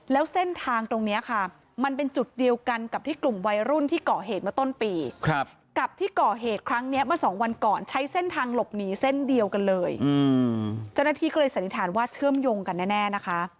แล้วก็แปลว่าสองวันก่อนใช้เส้นทางหลบหนีเส้นเดียวกันเลยอืมแทนนาธิก็เลยสันนิษฐานว่าเชื่อมโยงกันแน่นะคะ